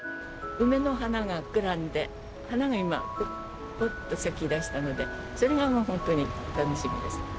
梅の花が膨らんで花が今ぽっぽっと咲きだしたのでそれが、もう本当に楽しみです。